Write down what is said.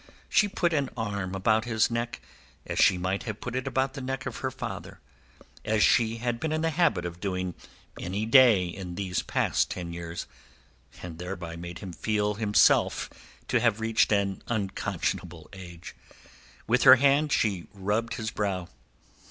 She put an arm about his neck as she might have put it about the neck of her father, as she had been in the habit of doing any day in these past ten years—and thereby made him feel himself to have reached an unconscionable age. With her hand she rubbed his brow.